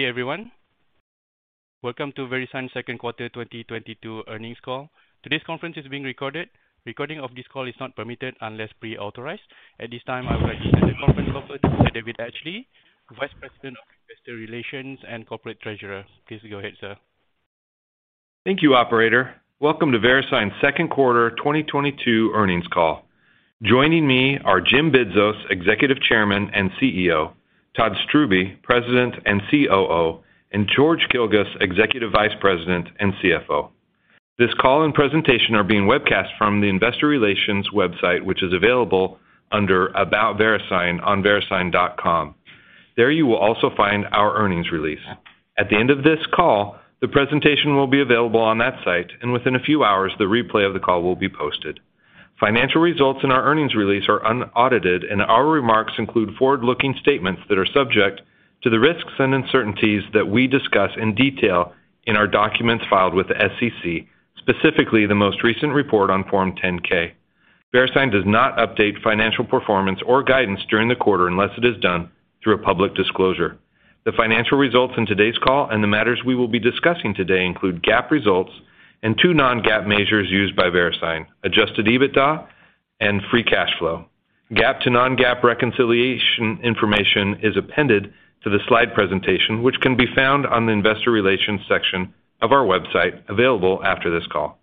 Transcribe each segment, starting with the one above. Good day everyone. Welcome to VeriSign Second Quarter 2022 Earnings Call. Today's conference is being recorded. Recording of this call is not permitted unless pre-authorized. At this time, I would like to turn the conference over to David Atchley, Vice President of Investor Relations and Corporate Treasurer. Please go ahead, sir. Thank you, operator. Welcome to VeriSign's Second Quarter 2022 Earnings Call. Joining me are Jim Bidzos, Executive Chairman and CEO, Todd Strubbe, President and COO, and George Kilguss, Executive Vice President and CFO. This call and presentation are being webcast from the investor relations website, which is available under About VeriSign on verisign.com. There you will also find our earnings release. At the end of this call, the presentation will be available on that site, and within a few hours the replay of the call will be posted. Financial results in our earnings release are unaudited, and our remarks include forward-looking statements that are subject to the risks and uncertainties that we discuss in detail in our documents filed with the SEC, specifically the most recent report on Form 10-K. VeriSign does not update financial performance or guidance during the quarter unless it is done through a public disclosure. The financial results in today's call and the matters we will be discussing today include GAAP results and two non-GAAP measures used by VeriSign, adjusted EBITDA and free cash flow. GAAP to non-GAAP reconciliation information is appended to the slide presentation, which can be found on the investor relations section of our website, available after this call.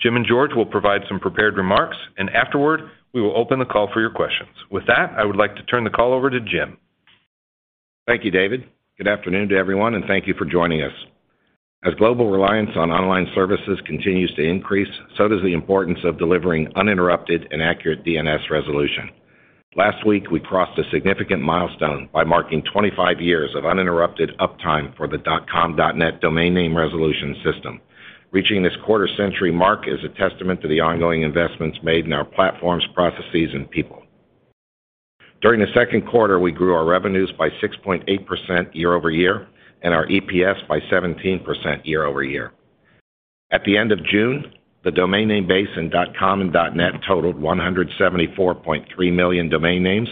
Jim and George will provide some prepared remarks, and afterward, we will open the call for your questions. With that, I would like to turn the call over to Jim. Thank you, David. Good afternoon to everyone, and thank you for joining us. As global reliance on online services continues to increase, so does the importance of delivering uninterrupted and accurate DNS resolution. Last week, we crossed a significant milestone by marking 25 years of uninterrupted uptime for the dot com dot net domain name resolution system. Reaching this quarter-century mark is a testament to the ongoing investments made in our platforms, processes and people. During the second quarter, we grew our revenues by 6.8% year-over-year, and our EPS by 17% year-over-year. At the end of June, the domain name base in .com and .net totaled 174.3 million domain names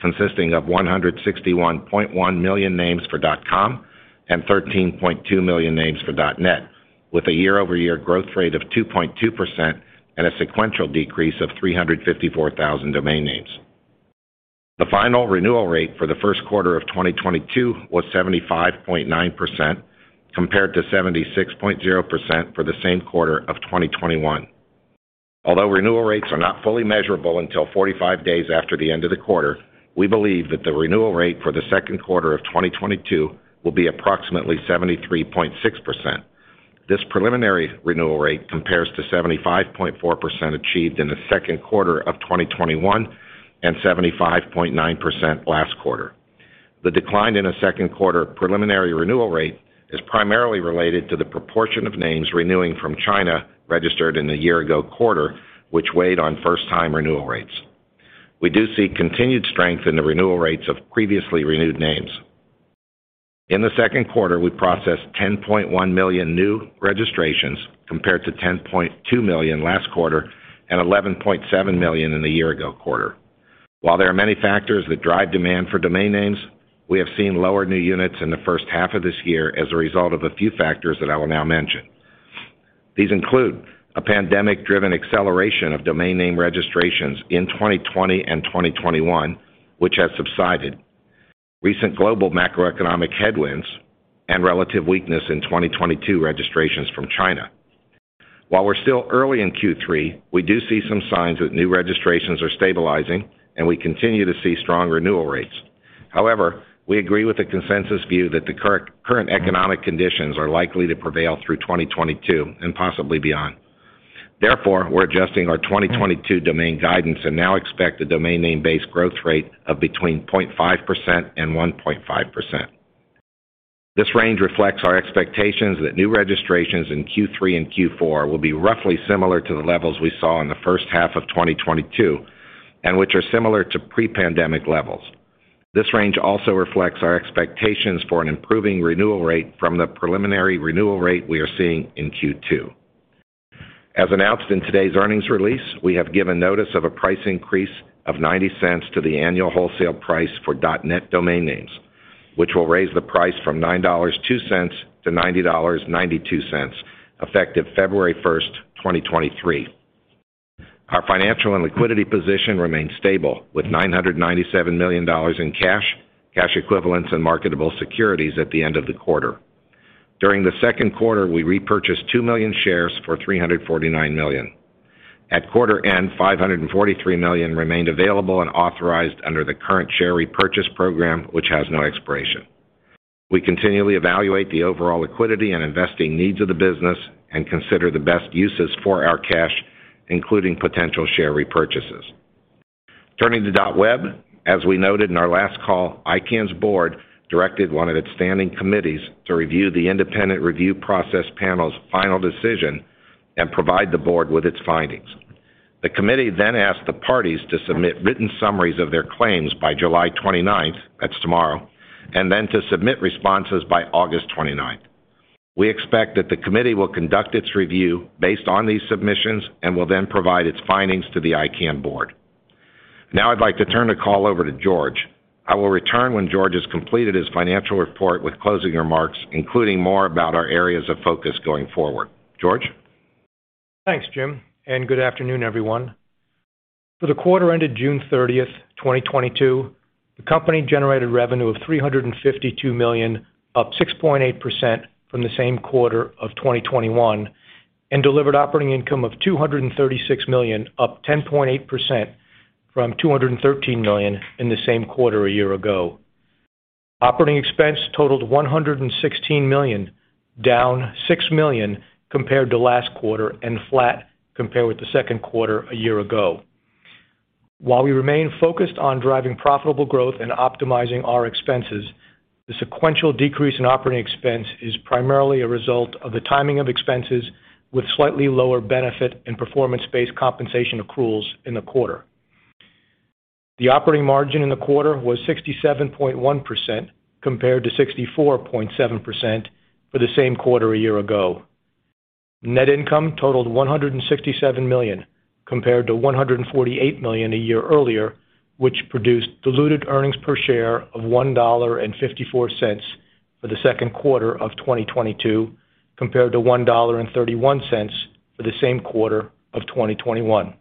consisting of 161.1 million names for .com and 13.2 million names for .net, with a year-over-year growth rate of 2.2% and a sequential decrease of 354,000 domain names. The final renewal rate for the first quarter of 2022 was 75.9% compared to 76.0% for the same quarter of 2021. Although renewal rates are not fully measurable until 45 days after the end of the quarter, we believe that the renewal rate for the second quarter of 2022 will be approximately 73.6%. This preliminary renewal rate compares to 75.4% achieved in the second quarter of 2021 and 75.9% last quarter. The decline in the second quarter preliminary renewal rate is primarily related to the proportion of names renewing from China registered in the year ago quarter, which weighed on first time renewal rates. We do see continued strength in the renewal rates of previously renewed names. In the second quarter, we processed 10.1 million new registrations compared to 10.2 million last quarter and 11.7 million in the year ago quarter. While there are many factors that drive demand for domain names, we have seen lower new units in the first half of this year as a result of a few factors that I will now mention. These include a pandemic-driven acceleration of domain name registrations in 2020 and 2021, which has subsided, recent global macroeconomic headwinds, and relative weakness in 2022 registrations from China. While we're still early in Q3, we do see some signs that new registrations are stabilizing and we continue to see strong renewal rates. However, we agree with the consensus view that the current economic conditions are likely to prevail through 2022 and possibly beyond. Therefore, we're adjusting our 2022 domain guidance and now expect a domain name base growth rate of between 0.5% and 1.5%. This range reflects our expectations that new registrations in Q3 and Q4 will be roughly similar to the levels we saw in the first half of 2022, and which are similar to pre-pandemic levels. This range also reflects our expectations for an improving renewal rate from the preliminary renewal rate we are seeing in Q2. As announced in today's earnings release, we have given notice of a price increase of $0.90 to the annual wholesale price for .net domain names, which will raise the price from $9.02 to $90.92, effective February 1st, 2023. Our financial and liquidity position remains stable, with $997 million in cash equivalents and marketable securities at the end of the quarter. During the second quarter, we repurchased 2 million shares for $349 million. At quarter end, $543 million remained available and authorized under the current share repurchase program, which has no expiration. We continually evaluate the overall liquidity and investing needs of the business and consider the best uses for our cash, including potential share repurchases. Turning to .web. As we noted in our last call, ICANN's board directed one of its standing committees to review the independent review process panel's final decision and provide the board with its findings. The committee then asked the parties to submit written summaries of their claims by July 29th, that's tomorrow, and then to submit responses by August 29th. We expect that the committee will conduct its review based on these submissions and will then provide its findings to the ICANN board. Now I'd like to turn the call over to George. I will return when George has completed his financial report with closing remarks, including more about our areas of focus going forward. George? Thanks, Jim, and good afternoon, everyone. For the quarter ended June 30th, 2022, the company generated revenue of $352 million, up 6.8% from the same quarter of 2021, and delivered operating income of $236 million, up 10.8% from $213 million in the same quarter a year ago. Operating expense totaled $116 million, down $6 million compared to last quarter and flat compared with the second quarter a year ago. While we remain focused on driving profitable growth and optimizing our expenses, the sequential decrease in operating expense is primarily a result of the timing of expenses with slightly lower benefit and performance-based compensation accruals in the quarter. The operating margin in the quarter was 67.1% compared to 64.7% for the same quarter a year ago. Net income totaled $167 million compared to $148 million a year earlier, which produced diluted earnings per share of $1.54 for the second quarter of 2022, compared to $1.31 for the same quarter of 2021.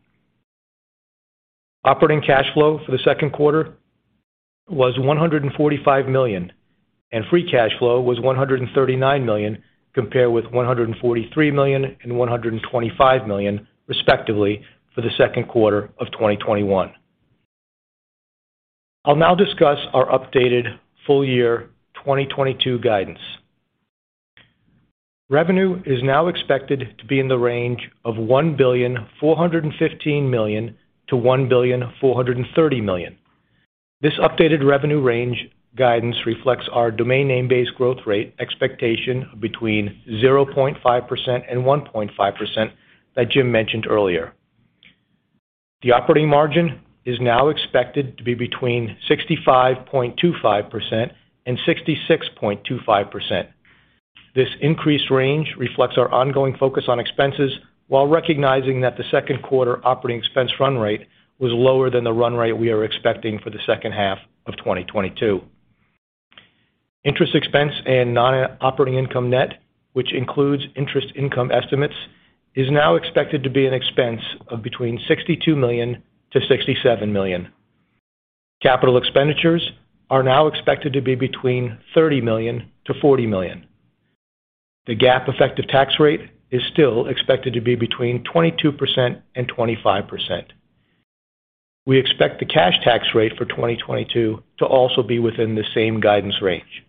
Operating cash flow for the second quarter was $145 million, and free cash flow was $139 million, compared with $143 million and $125 million, respectively, for the second quarter of 2021. I'll now discuss our updated full-year 2022 guidance. Revenue is now expected to be in the range of $1.415 billion-$1.430 billion. This updated revenue range guidance reflects our domain name-based growth rate expectation between 0.5% and 1.5% that Jim mentioned earlier. The operating margin is now expected to be between 65.25% and 66.25%. This increased range reflects our ongoing focus on expenses while recognizing that the second quarter operating expense run rate was lower than the run rate we are expecting for the second half of 2022. Interest expense and non-operating income net, which includes interest income estimates, is now expected to be an expense of $62 million-$67 million. Capital expenditures are now expected to be $30 million-$40 million. The GAAP effective tax rate is still expected to be between 22% and 25%. We expect the cash tax rate for 2022 to also be within the same guidance range.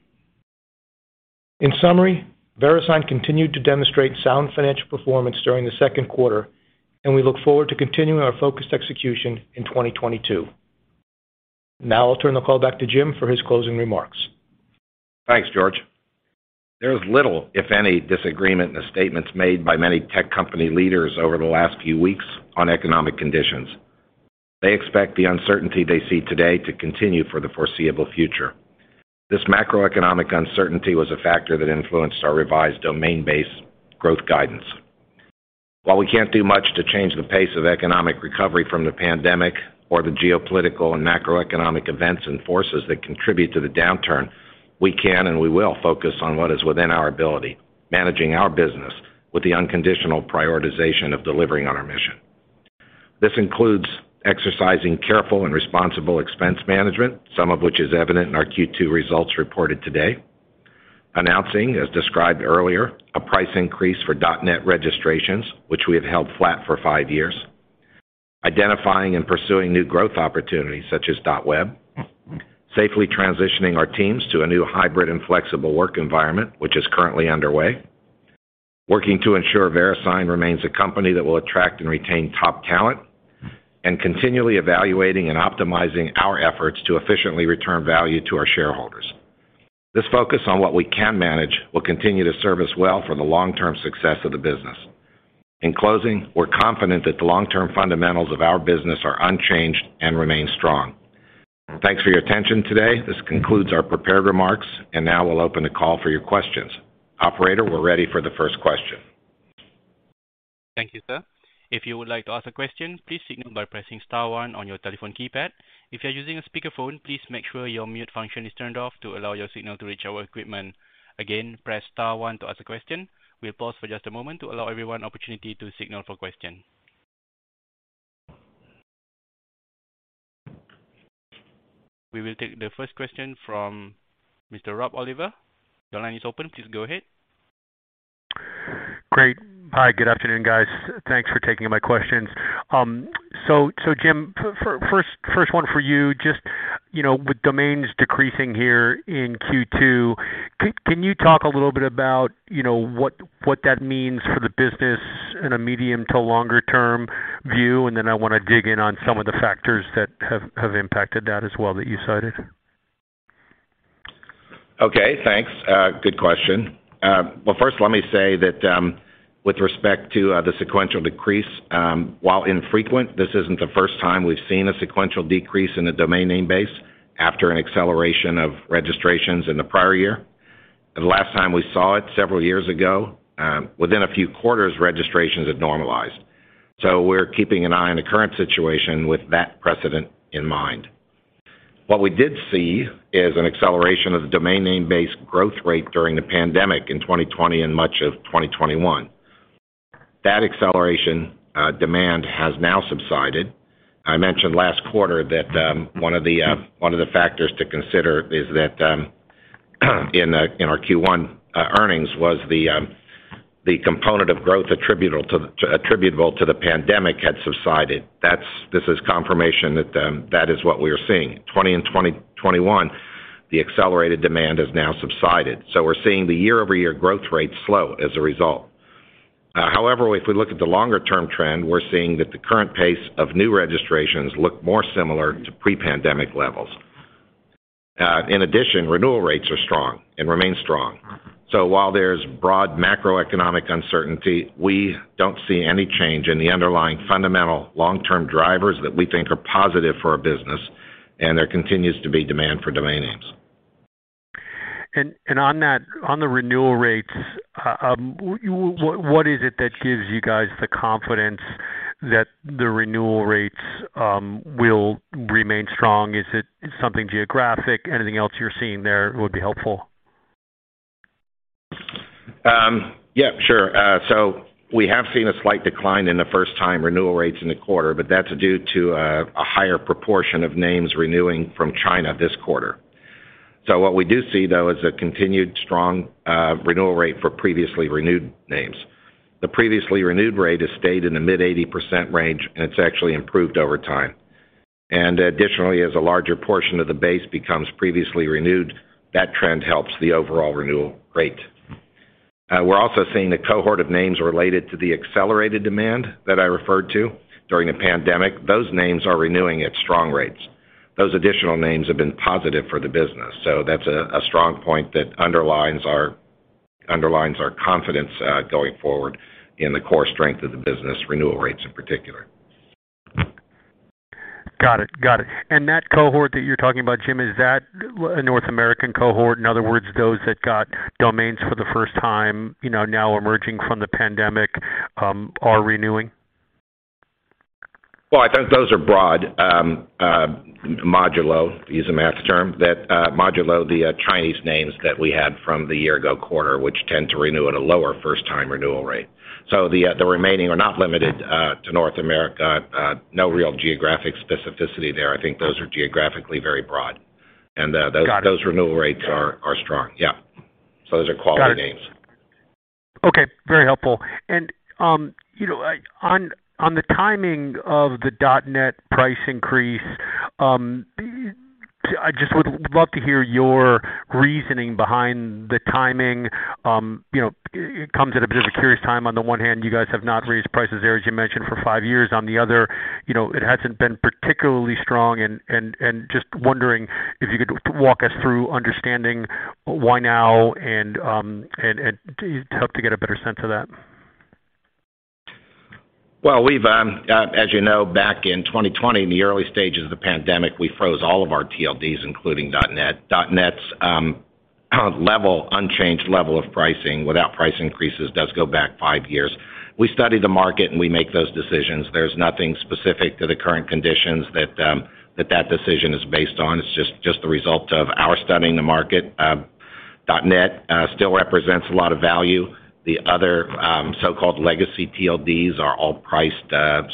In summary, VeriSign continued to demonstrate sound financial performance during the second quarter, and we look forward to continuing our focused execution in 2022. Now I'll turn the call back to Jim for his closing remarks. Thanks, George. There's little, if any, disagreement in the statements made by many tech company leaders over the last few weeks on economic conditions. They expect the uncertainty they see today to continue for the foreseeable future. This macroeconomic uncertainty was a factor that influenced our revised domain-based growth guidance. While we can't do much to change the pace of economic recovery from the pandemic or the geopolitical and macroeconomic events and forces that contribute to the downturn, we can and we will focus on what is within our ability, managing our business with the unconditional prioritization of delivering on our mission. This includes exercising careful and responsible expense management, some of which is evident in our Q2 results reported today. Announcing, as described earlier, a price increase for dot net registrations, which we have held flat for five years. Identifying and pursuing new growth opportunities such as dot web. Safely transitioning our teams to a new hybrid and flexible work environment, which is currently underway. Working to ensure VeriSign remains a company that will attract and retain top talent, and continually evaluating and optimizing our efforts to efficiently return value to our shareholders. This focus on what we can manage will continue to serve us well for the long-term success of the business. In closing, we're confident that the long-term fundamentals of our business are unchanged and remain strong. Thanks for your attention today. This concludes our prepared remarks, and now we'll open the call for your questions. Operator, we're ready for the first question. Thank you, sir. If you would like to ask a question, please signal by pressing star one on your telephone keypad. If you're using a speakerphone, please make sure your mute function is turned off to allow your signal to reach our equipment. Again, press star one to ask a question. We'll pause for just a moment to allow everyone opportunity to signal for question. We will take the first question from Mr. Rob Oliver. Your line is open. Please go ahead. Great. Hi. Good afternoon, guys. Thanks for taking my questions. Jim, first one for you, just, you know, with domains decreasing here in Q2, can you talk a little bit about, you know, what that means for the business in a medium to longer term view? I wanna dig in on some of the factors that have impacted that as well that you cited. Okay, thanks. Good question. Well, first let me say that, with respect to, the sequential decrease, while infrequent, this isn't the first time we've seen a sequential decrease in a domain name base after an acceleration of registrations in the prior year. The last time we saw it several years ago, within a few quarters, registrations had normalized. We're keeping an eye on the current situation with that precedent in mind. What we did see is an acceleration of the domain name-based growth rate during the pandemic in 2020 and much of 2021. That acceleration, demand has now subsided. I mentioned last quarter that, one of the factors to consider is that, in our Q1 earnings was the component of growth attributable to the pandemic had subsided. This is confirmation that that is what we are seeing. In 2020 and 2021, the accelerated demand has now subsided. We're seeing the year-over-year growth rate slow as a result. However, if we look at the longer-term trend, we're seeing that the current pace of new registrations look more similar to pre-pandemic levels. In addition, renewal rates are strong and remain strong. While there's broad macroeconomic uncertainty, we don't see any change in the underlying fundamental long-term drivers that we think are positive for our business, and there continues to be demand for domain names. And on that, on the renewal rates, what is it that gives you guys the confidence that the renewal rates will remain strong? Is it something geographic? Anything else you're seeing there would be helpful. Yeah, sure. We have seen a slight decline in the first-time renewal rates in the quarter, but that's due to a higher proportion of names renewing from China this quarter. What we do see, though, is a continued strong renewal rate for previously renewed names. The previously renewed rate has stayed in the mid-80% range, and it's actually improved over time. Additionally, as a larger portion of the base becomes previously renewed, that trend helps the overall renewal rate. We're also seeing a cohort of names related to the accelerated demand that I referred to during the pandemic. Those names are renewing at strong rates. Those additional names have been positive for the business. That's a strong point that underlines our confidence going forward in the core strength of the business, renewal rates in particular. Got it. That cohort that you're talking about, Jim, is that a North American cohort? In other words, those that got domains for the first time, you know, now emerging from the pandemic, are renewing. Well, I think those are broad, modulo, to use a math term. That, modulo the Chinese names that we had from the year-ago quarter, which tend to renew at a lower first-time renewal rate. The remaining are not limited to North America. No real geographic specificity there. I think those are geographically very broad. Got it. Those renewal rates are strong. Yeah. Those are quality names. Got it. Okay, very helpful. You know, on the timing of the .net price increase, I just would love to hear your reasoning behind the timing. You know, it comes at a bit of a curious time. On the one hand, you guys have not raised prices there, as you mentioned, for five years. On the other, you know, it hasn't been particularly strong. Just wondering if you could walk us through understanding why now and help to get a better sense of that. Well, we've, as you know, back in 2020, in the early stages of the pandemic, we froze all of our TLDs, including .net. .net's unchanged level of pricing without price increases does go back five years. We study the market, and we make those decisions. There's nothing specific to the current conditions that the decision is based on. It's just the result of our studying the market. .net still represents a lot of value. The other so-called legacy TLDs are all priced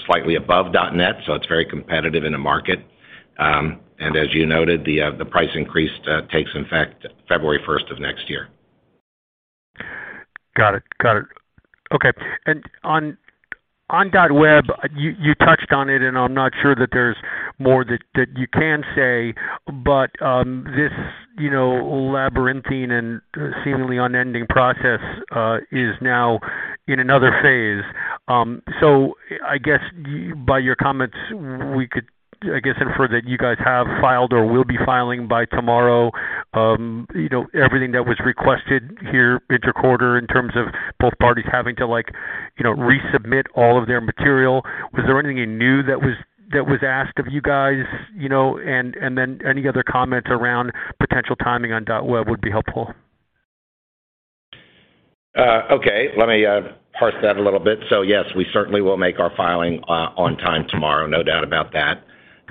slightly above .net, so it's very competitive in the market. As you noted, the price increase takes effect February first of next year. Got it. Okay. On .web, you touched on it, and I'm not sure that there's more that you can say, but this, you know, labyrinthine and seemingly unending process is now in another phase. I guess by your comments, we could, I guess, infer that you guys have filed or will be filing by tomorrow, you know, everything that was requested here in the quarter in terms of both parties having to like, you know, resubmit all of their material. Was there anything new that was asked of you guys, you know? Then any other comments around potential timing on .web would be helpful. Okay. Let me parse that a little bit. Yes, we certainly will make our filing on time tomorrow, no doubt about that.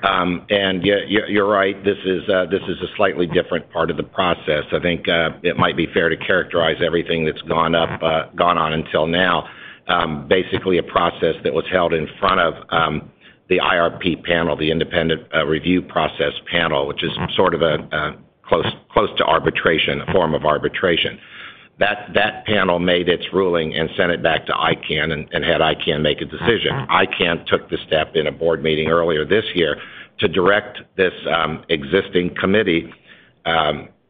Yeah, you're right. This is a slightly different part of the process. I think it might be fair to characterize everything that's gone on until now basically a process that was held in front of the IRP panel, the independent review process panel, which is sort of close to arbitration, a form of arbitration. That panel made its ruling and sent it back to ICANN and had ICANN make a decision. ICANN took the step in a board meeting earlier this year to direct this existing committee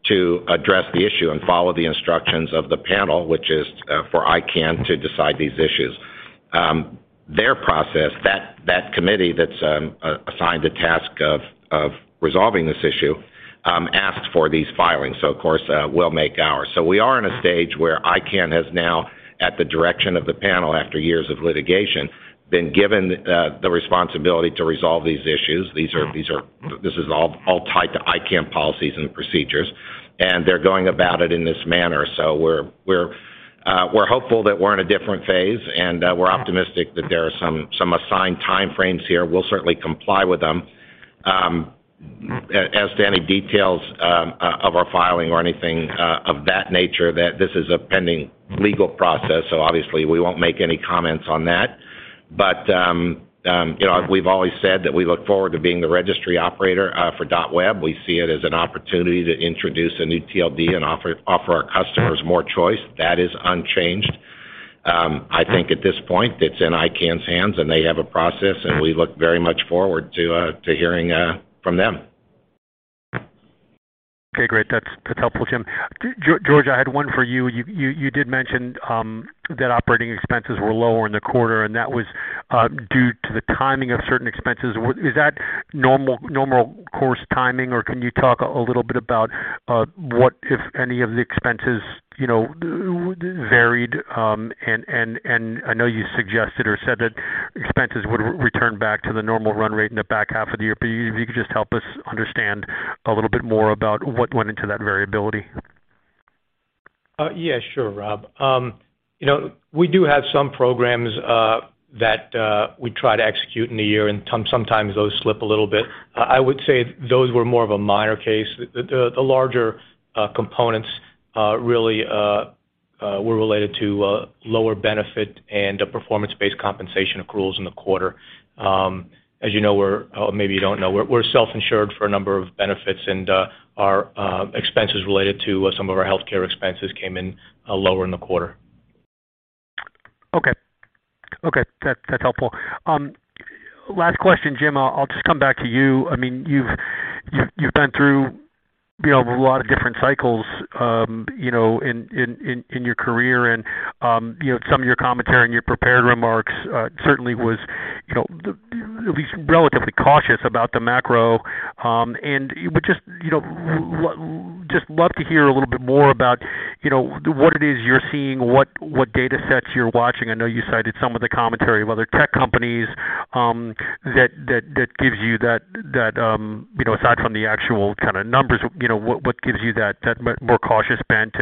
to address the issue and follow the instructions of the panel, which is for ICANN to decide these issues. Their process, that committee that's assigned the task of resolving this issue, asked for these filings, so of course, we'll make ours. We are in a stage where ICANN has now, at the direction of the panel after years of litigation, been given the responsibility to resolve these issues. This is all tied to ICANN policies and procedures, and they're going about it in this manner. We're hopeful that we're in a different phase, and we're optimistic that there are some assigned time frames here. We'll certainly comply with them. As to any details of our filing or anything of that nature, that this is a pending legal process, so obviously we won't make any comments on that. You know, we've always said that we look forward to being the registry operator for .web. We see it as an opportunity to introduce a new TLD and offer our customers more choice. That is unchanged. I think at this point, it's in ICANN's hands, and they have a process, and we look very much forward to hearing from them. Okay, great. That's helpful, Jim. George, I had one for you. You did mention that operating expenses were lower in the quarter, and that was due to the timing of certain expenses. Was that normal course timing, or can you talk a little bit about what, if any, of the expenses, you know, varied, and I know you suggested or said that expenses would return back to the normal run rate in the back half of the year. If you could just help us understand a little bit more about what went into that variability. Yeah, sure, Rob. You know, we do have some programs that we try to execute in a year, and sometimes those slip a little bit. I would say those were more of a minor case. The larger components really were related to lower benefit and performance-based compensation accruals in the quarter. As you know, or maybe you don't know, we're self-insured for a number of benefits, and our expenses related to some of our healthcare expenses came in lower in the quarter. Okay. That's helpful. Last question, Jim, I'll just come back to you. I mean, you've been through, you know, a lot of different cycles, you know, in your career and, you know, some of your commentary in your prepared remarks certainly was, you know, at least relatively cautious about the macro. Would just, you know, love to hear a little bit more about, you know, what it is you're seeing, what data sets you're watching. I know you cited some of the commentary whether tech companies that gives you that, you know, aside from the actual kind of numbers, you know, what gives you that more cautious bent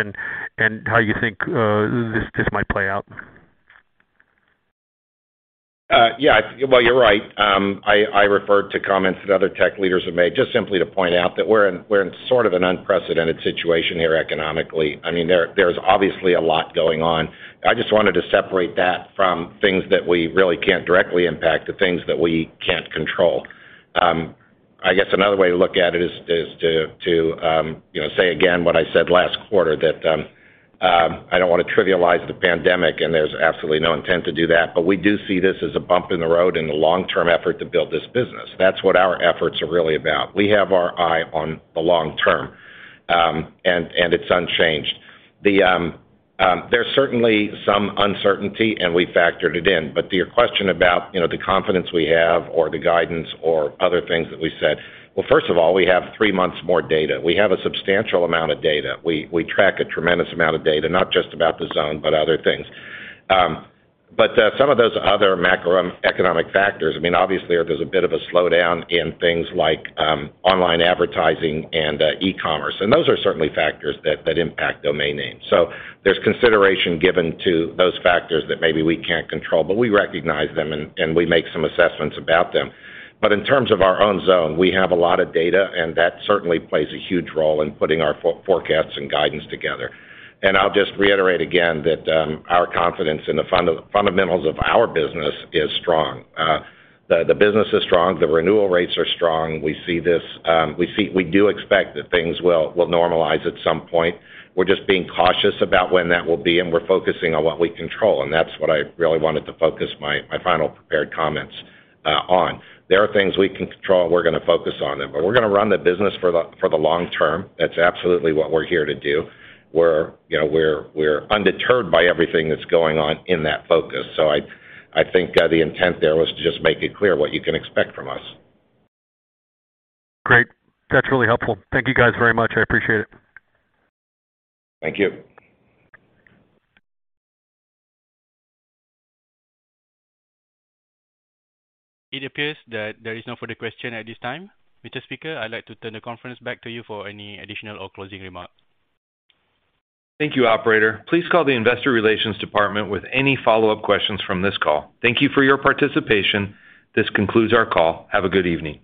and how you think this might play out. Yeah. Well, you're right. I referred to comments that other tech leaders have made, just simply to point out that we're in sort of an unprecedented situation here economically. I mean, there's obviously a lot going on. I just wanted to separate that from things that we really can't directly impact, the things that we can't control. I guess another way to look at it is to you know, say again what I said last quarter, I don't want to trivialize the pandemic, and there's absolutely no intent to do that. We do see this as a bump in the road in the long-term effort to build this business. That's what our efforts are really about. We have our eye on the long term, and it's unchanged. The There's certainly some uncertainty, and we factored it in. To your question about, you know, the confidence we have or the guidance or other things that we said, well, first of all, we have three months more data. We have a substantial amount of data. We track a tremendous amount of data, not just about the zone, but other things. Some of those other macroeconomic factors, I mean, obviously, there's a bit of a slowdown in things like online advertising and e-commerce, and those are certainly factors that impact domain names. So there's consideration given to those factors that maybe we can't control, but we recognize them and we make some assessments about them. In terms of our own zone, we have a lot of data, and that certainly plays a huge role in putting our forecasts and guidance together. I'll just reiterate again that our confidence in the fundamentals of our business is strong. The business is strong. The renewal rates are strong. We see this, we do expect that things will normalize at some point. We're just being cautious about when that will be, and we're focusing on what we control, and that's what I really wanted to focus my final prepared comments on. There are things we can control, and we're gonna focus on them, but we're gonna run the business for the long term. That's absolutely what we're here to do. We're, you know, we're undeterred by everything that's going on in that focus. I think the intent there was to just make it clear what you can expect from us. Great. That's really helpful. Thank you, guys, very much. I appreciate it. Thank you. It appears that there is no further question at this time. Mr. Speaker, I'd like to turn the conference back to you for any additional or closing remarks. Thank you, operator. Please call the Investor Relations department with any follow-up questions from this call. Thank you for your participation. This concludes our call. Have a good evening.